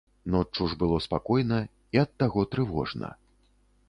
Ноччу ж было спакойна і ад таго трывожна.